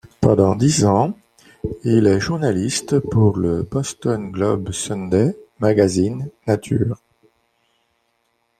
Pendant dix ans, il est journaliste pour le Boston Globe Sunday Magazine, Nature.